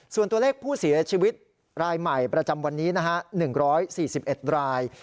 ส่วนตัวเลขผู้เสียชีวิตรายใหม่ประจำวันนี้นะฮะ๑๔๑ราย